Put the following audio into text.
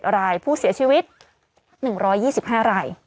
รายผู้เสียชีวิต๑๒๕ราย